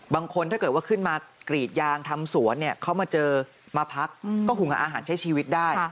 บางคนถ้าเกิดว่าขึ้นมากรีดยางทำสวนเนี่ยเขามาเจอมาพักก็หุงกับอาหารใช้ชีวิตได้